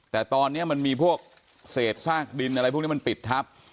แต่ตอนนี้มันมีพวกเศษซากดินอะไรพวกนี้มันปิดทับ